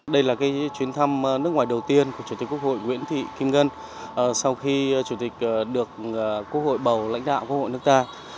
đây là chuyến thăm nước ngoài đầu tiên của chủ tịch quốc hội nguyễn thị kim ngân sau khi chủ tịch được quốc hội bầu lãnh đạo quốc hội nước ta